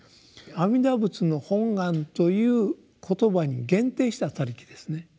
「阿弥陀仏の本願」という言葉に限定した「他力」ですね。